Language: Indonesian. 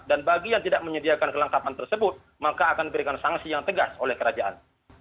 dan bagi yang tidak menyediakan kelengkapan tersebut maka akan diberikan sanksi yang tegas oleh kerajaan